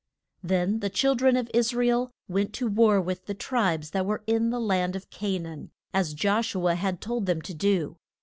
Then the chil dren of Is ra el went to war with the tribes that were in the land of Ca naan, as Josh u a had told them to do.